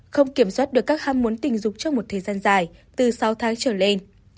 không kiểm soát được các ham muốn tình dục trong một thời gian dài từ sáu tháng trở lên